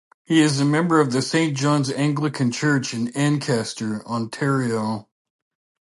He is a member of the Saint John's Anglican church in Ancaster, Ontario.